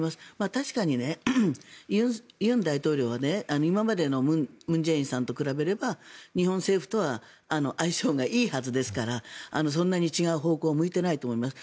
確かに尹大統領は今までの文在寅さんと比べれば日本政府とは相性がいいはずですからそんなに違う方向を向いていないと思います。